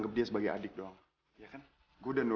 ratu lagi baca putri tidur